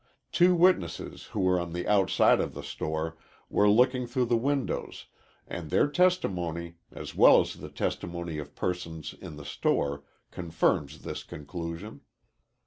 Two witnesses who were on the outside of the store, were looking through the windows, and their testimony, as well as the testimony of persons in the store, confirms this conclusion.